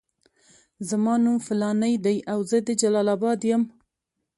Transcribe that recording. زما نوم فلانی دی او زه د جلال اباد یم.